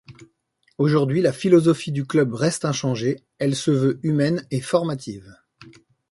Aujourd’hui, la philosophie du club reste inchangée, elle se veut humaine et formative.